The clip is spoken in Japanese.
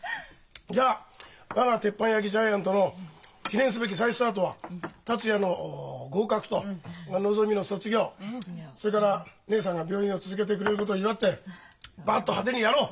じゃあ我が鉄板焼きジャイアントの記念すべき再スタートは達也の合格とのぞみの卒業それから義姉さんが病院を続けてくれることを祝ってバッと派手にやろう！